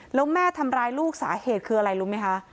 แล้วแม่ทำร้ายลูกสาเหตุคืออะไรรู้ไหมคะ